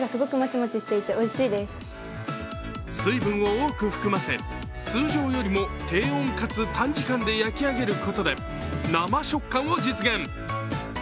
水分を多く含ませ、通常よりも低温かつ短時間で焼き上げることで生食感を実現。